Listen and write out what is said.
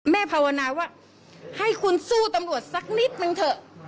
ภาวนาว่าให้คุณสู้ตำรวจสักนิดนึงเถอะ